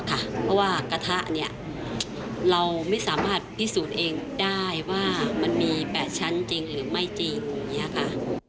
เพราะว่ากระทะเนี่ยเราไม่สามารถพิสูจน์เองได้ว่ามันมี๘ชั้นจริงหรือไม่จริงอย่างนี้ค่ะ